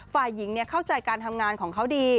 ฝ่ายหญิงเข้าใจการทำงานของเขาดี